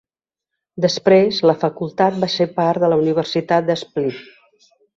Després la facultat va ser part de la Universitat de Split.